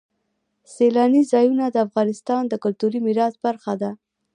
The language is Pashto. سیلاني ځایونه د افغانستان د کلتوري میراث برخه ده.